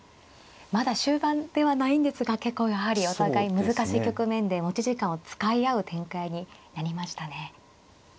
まだ終盤ではないんですが結構やはりお互い難しい局面で持ち時間を使い合う展開になりましたね。